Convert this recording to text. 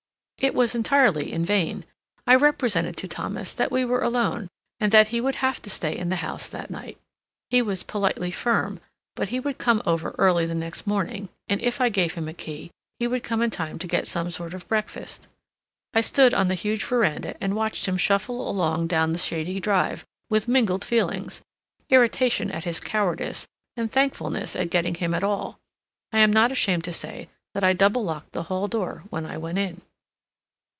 It was entirely in vain; I represented to Thomas that we were alone, and that he would have to stay in the house that night. He was politely firm, but he would come over early the next morning, and if I gave him a key, he would come in time to get some sort of breakfast. I stood on the huge veranda and watched him shuffle along down the shadowy drive, with mingled feelings—irritation at his cowardice and thankfulness at getting him at all. I am not ashamed to say that I double locked the hall door when I went in.